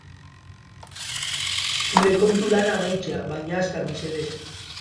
Zure kontu lana amaitzea baina azkar, mesedez.